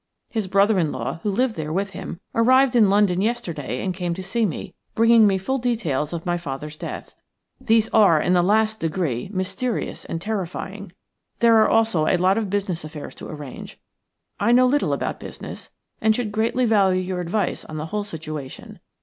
His brother in law, who lived there with him, arrived in London yesterday and came to see me, bringing me full details of my father's death. These are in the last degree mysterious and terrifying. There are also a lot of business affairs to arrange. I know little about business and should greatly value your advice on the whole situation.